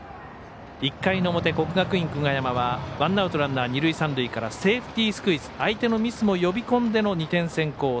１回の表、国学院久我山はワンアウトランナー、二塁三塁からセーフティースクイズ相手のミスも呼び込んでの２点先行。